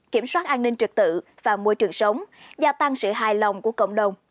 kiểm soát an ninh trật tự và môi trường sống gia tăng sự hài lòng của cộng đồng